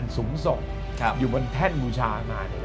สูงสกอยู่บนแผ่นบูชามากเลยนะครับ